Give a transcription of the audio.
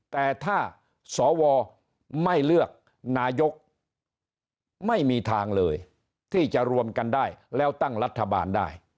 แต่ถ้าสวไม่เลือกนายกไม่มีทางเลยที่จะรวมกันได้แล้วตั้งรัฐบาลได้